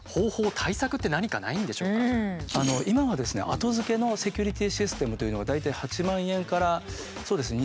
後付けのセキュリティーシステムというのが大体８万円からそうですね